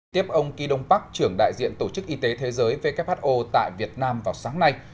tiếp ông kỳ đông bắc trưởng đại diện tổ chức y tế thế giới who tại việt nam vào sáng nay